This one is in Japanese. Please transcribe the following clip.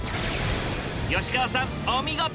吉川さんお見事！